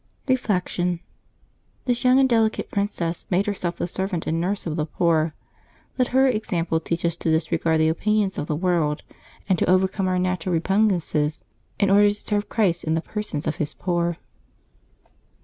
Reflection. — This young and delicate princess made her self the servant and nurse of the poor. Let her example teach us to disregard the opinions of the world and to over come our natural repugnances, in order to serve Christ in the persons of His poor.